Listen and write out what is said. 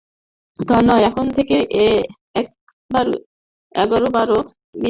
তা নয়, এখন থেকে ও একবার এগোবে, একবার পিছবে।